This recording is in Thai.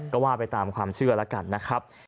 ก็ว่าไปตามความเชื่อแล้วกันนะครับ